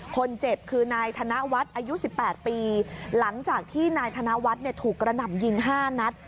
คนเจ็บคือนายธนวัฒน์อายุ๑๘ปีหลังจากที่นายธนวัฒน์ถูกกระหน่ำยิง๕นัด